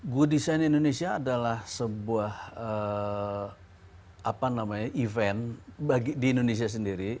good design indonesia adalah sebuah event di indonesia sendiri